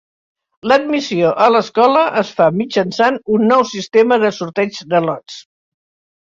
L'admissió a l'escola es fa mitjançant un nou sistema de sorteig de lots.